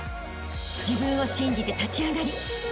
［自分を信じて立ち上がりあしたへ